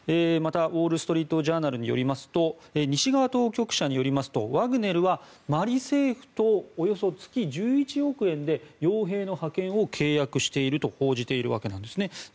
また、ウォール・ストリート・ジャーナルによりますと西側当局者によりますとワグネルはマリ政府とおよそ月１１億円で傭兵の派遣を契約していると報じているわけなんです。